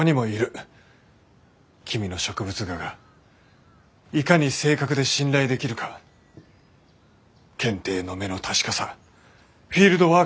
君の植物画がいかに正確で信頼できるか検定の目の確かさフィールドワーカーとしての強さ。